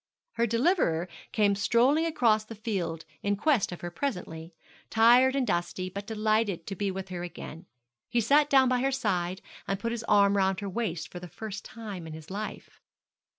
Her deliverer came strolling across the fields in quest of her presently, tired and dusty, but delighted to be with her again. He sat down by her side, and put his arm round her waist for the first time in his life.